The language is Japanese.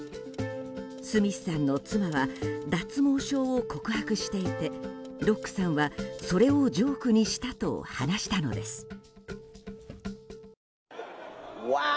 スミスさんの妻は脱毛症を告白していてロックさんは、それをジョークにしたと話したのです。